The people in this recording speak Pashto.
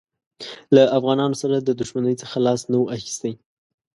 له افغانانو سره د دښمنۍ څخه لاس نه وو اخیستی.